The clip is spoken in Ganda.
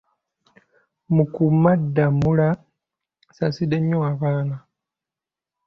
Mukuumaddamula asaasidde nnyo abaana.